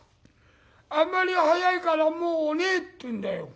あんまり早いからもう寝え』って言うんだよ。